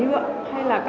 ví dụ như là đơn giản